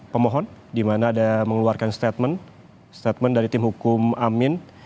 pemohon di mana ada mengeluarkan statement statement dari tim hukum amin